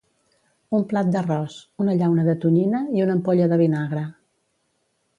Un plat d'arròs, una llauna de tonyina i una ampolla de vinagre.